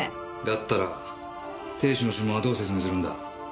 だったら亭主の指紋はどう説明するんだ？